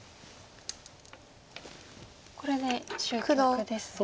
これで終局ですね。